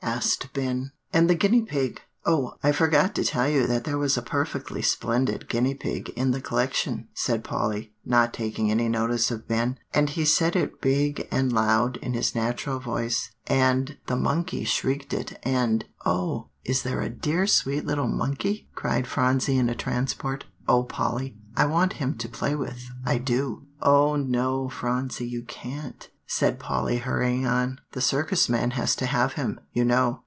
asked Ben. "And the guinea pig oh, I forgot to tell you there was a perfectly splendid guinea pig in the collection," said Polly, not taking any notice of Ben; "and he said it big and loud in his natural voice, and the monkey shrieked it, and" "Oh! is there a dear sweet little monkey?" cried Phronsie in a transport. "O Polly! I want him to play with, I do." "Oh, no, Phronsie, you can't," said Polly hurrying on; "the Circus man has to have him, you know.